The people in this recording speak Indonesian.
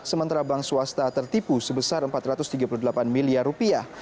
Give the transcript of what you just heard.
sementara bank swasta tertipu sebesar empat ratus tiga puluh delapan miliar rupiah